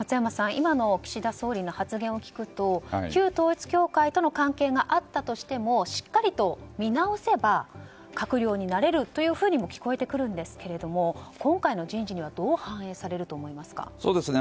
今の岸田総理の発言を聞くと旧統一教会との関係があったとしてもしっかりと見直せば閣僚になれるというふうにも聞こえてくるんですが今回の人事にはどう反映されると思いますか？